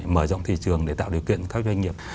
mở rộng thị trường để tạo điều kiện cho các doanh nghiệp